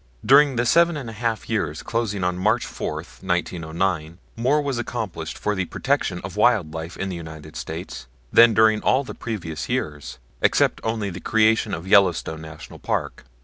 During the seven and a half years closing on March 4, 1909, more was accomplished for the protection of wild life in the United States than during all the previous years, excepting only the creation of the Yellowstone National Park.